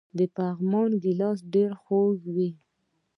د پغمان ګیلاس ډیر خوږ وي.